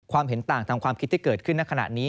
เห็นต่างตามความคิดที่เกิดขึ้นในขณะนี้